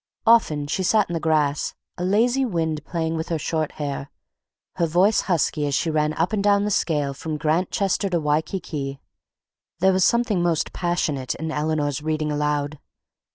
Often she sat in the grass, a lazy wind playing with her short hair, her voice husky as she ran up and down the scale from Grantchester to Waikiki. There was something most passionate in Eleanor's reading aloud.